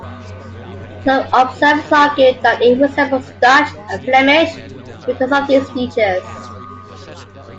Some observers argue that it resembles Dutch and Flemish because of these features.